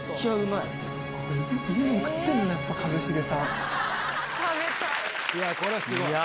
いやこれはすごい。